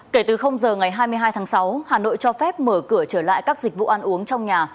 kể từ giờ ngày hai mươi hai tháng sáu hà nội cho phép mở cửa trở lại các dịch vụ ăn uống trong nhà